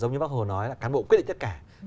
giống như bác hồ nói là cán bộ quyết định tất cả